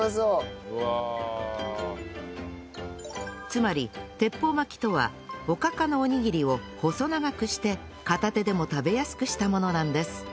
つまり鉄砲巻きとはおかかのおにぎりを細長くして片手でも食べやすくしたものなんです